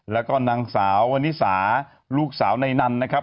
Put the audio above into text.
แล้วก็นางสาววันนิสาลูกสาวในนันนะครับ